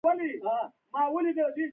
دا سندره پخوانۍ ده.